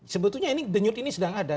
sebetulnya ini denyut ini sedang ada